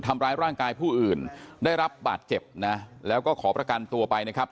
ทำร้ายร่างกายผู้อื่นได้รับบาดเจ็บนะแล้วก็ขอประกันตัวไปนะครับ